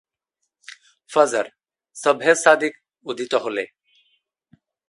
ফজর:সবহে সাদিক উদিত হলে।